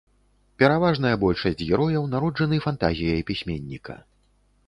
Пераважная большасць герояў народжаны фантазіяй пісьменніка.